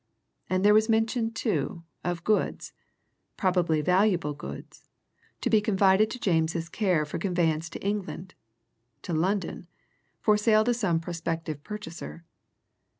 And there was mention, too, of goods probably valuable goods to be confided to James's care for conveyance to England, to London, for sale to some prospective purchaser.